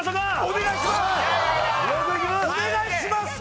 お願いします！